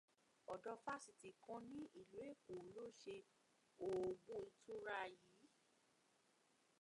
Ọ̀dọ̀ fásitì kan ní ìlú Èkó ló ṣe òògùn ìtura yìí.